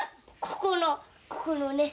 ここのここのね